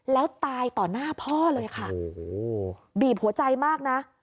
แล้วตายต่อหน้าพ่อเลยค่ะโอ้โหบีบหัวใจมากนะ